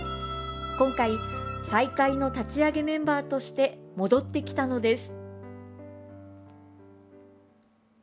今回、再開の立ち上げメンバーとして戻ってきたのです。